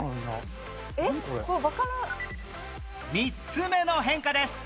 ３つ目の変化です